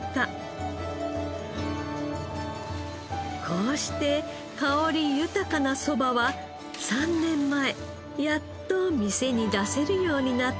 こうして香り豊かなそばは３年前やっと店に出せるようになったのです。